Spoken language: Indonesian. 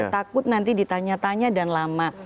takut nanti ditanya tanya dan lama